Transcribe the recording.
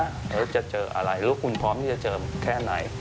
แล้วจะเจออะไรแล้วคุณพร้อมที่จะเจอแค่ไหน